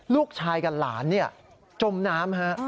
ลูกชายกับหลานจมน้ำ